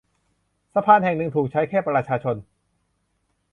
สะพานหนึ่งแห่งถูกใช้แค่ประชาชน